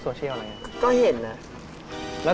เธอจีบเงี้ยทำไง